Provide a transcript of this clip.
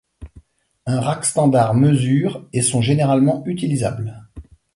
Un rack standard mesure et sont généralement utilisables.